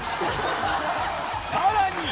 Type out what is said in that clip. さらに！